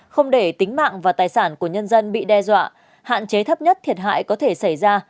không để tính mạng và tài sản của nhân dân bị đe dọa hạn chế thấp nhất thiệt hại có thể xảy ra